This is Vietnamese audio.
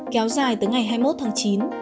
kéo dài tới ngày hai mươi một tháng chín